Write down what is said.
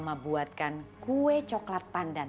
mama buatkan kue coklat pandan